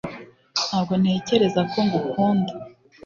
ntabwo ntekereza ko ngukunda